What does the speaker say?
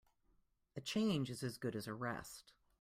A change is as good as a rest.